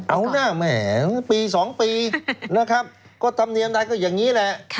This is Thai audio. เอาหน้าแหมปี๒ปีนะครับก็ธรรมเนียมได้ก็อย่างนี้แหละ